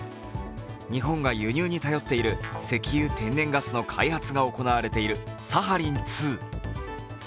日本が輸入に頼っている石油・天然ガスの開発が行われているサハリン２。